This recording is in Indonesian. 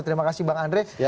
terima kasih bang andre